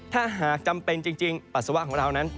ถ้าหากจำเป็นจริงปัสสาวะของเรานั้น